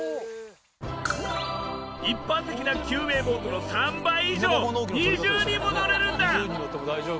一般的な救命ボートの３倍以上２０人も乗れるんだ！